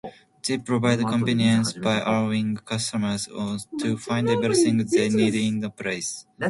They provide convenience by allowing customers to find everything they need in one place.